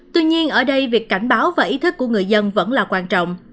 tuy nhiên ở đây việc cảnh báo và ý thức của người dân vẫn là quan trọng